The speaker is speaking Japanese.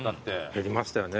減りましたよね